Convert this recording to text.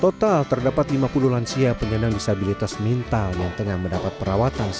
total terdapat lima puluh lansia penyandang disabilitas mental yang tengah mendapat perawatan